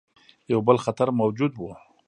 یو بل خطر موجود وو.